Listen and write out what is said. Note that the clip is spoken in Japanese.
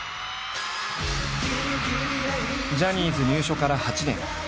ジャニーズ入所から８年。